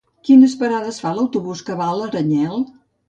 Quines parades fa l'autobús que va a Aranyel?